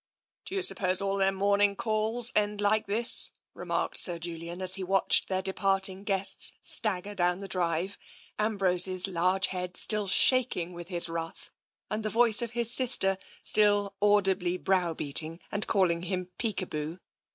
'*" Do you suppose all their morning calls end like this?'* remarked Sir Julian, as he watched their de parting guests stagger down the drive, Ambrose's large head still shaking with his wrath, and the voice of his sister still audibly browbeating and calling him " Peek aboo."